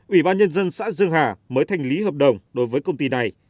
ubnd xã dương hà mới thành lý hợp đồng đối với công ty này